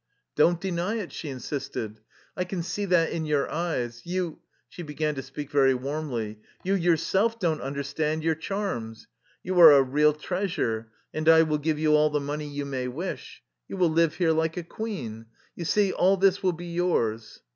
''" Don't deny it," she insisted. " I can see that in your eyes. You —" she began to speak very warmly — "you yourself don't understand your charms. You are a real treasure, and I will give you all the money you may wish. You will live here like a queen. You see, all this will be yours."